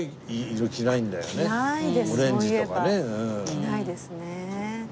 着ないですね。